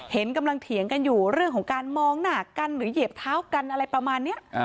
เห็นกำลังเถียงกันอยู่เรื่องของการมองหน้ากันหรือเหยียบเท้ากันอะไรประมาณนี้